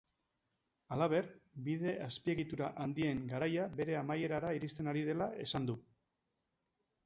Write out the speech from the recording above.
Halaber, bide azpiegitura handien garaia bere amaierara iristen ari dela esan du.